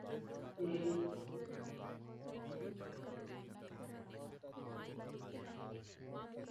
دل میں اس کے لیے ہمدردی اور خلوص کا جذبہ اُمڈ آتا